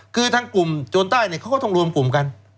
คือทางกลุ่มโจรใต้เนี่ยเขาก็ต้องรวมกลุ่มกัน